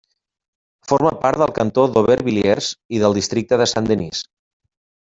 Forma part del cantó d'Aubervilliers i del districte de Saint-Denis.